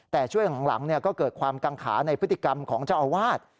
แต่ช่วงหลังก็เกิดความกังขาในพฤติกรรมของเจ้าอาวาส